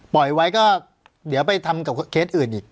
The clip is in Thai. ปล่อยไว้ก็เดี๋ยวไปทำกับเคสอื่นอีก